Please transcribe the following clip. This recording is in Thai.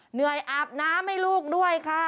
เหนื่อยอาบน้ำให้ลูกด้วยค่ะ